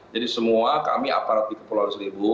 jadi semua kami aparat di kepulauan seribu